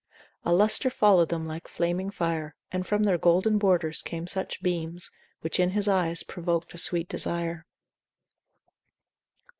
A lustre followed them like flaming fire, And from their golden borders came such beams, Which in his eyes provok'd a sweet desire.